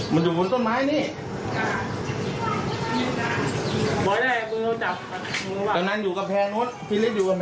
มันอยู่บนต้นไม้นี่